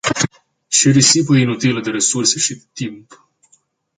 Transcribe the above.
Ce risipă inutilă de resurse și de timp.